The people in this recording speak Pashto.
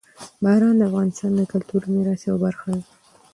باران د افغانستان د کلتوري میراث یوه برخه ده.